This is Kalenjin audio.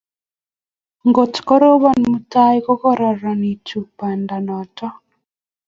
kot korob mutai ko kararanitu banda noton